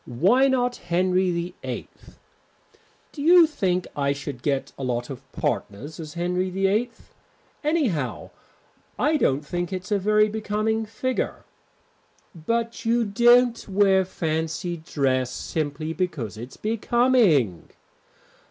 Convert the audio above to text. Why not Henry VIII?" "Do you think I should get a lot of partners as Henry VIII? Anyhow, I don't think it's a very becoming figure." "But you don't wear fancy dress simply because it's becoming."